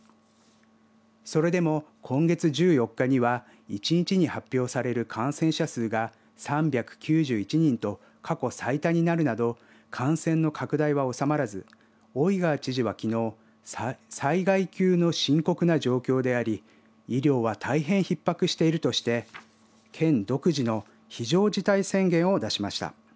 それでも今月１４日には一日に発表される感染者数が３９１人と過去最多になるなど感染の拡大は収まらず大井川知事はきのう、災害級の深刻な状況であり医療は大変ひっ迫しているとして県独自の非常事態宣言を出しました。